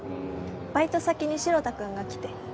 バイト先に城田君が来て。